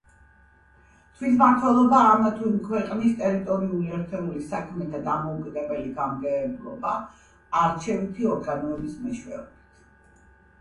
თვითმმართველობა ამა თუ იმ ქვეყნის, ტერიტორიული ერთეულის საქმეთა დამოუკიდებელი გამგებლობა, არჩევითი ორგანოების მეშვეობით.